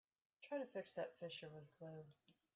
Try to fix that fissure with glue.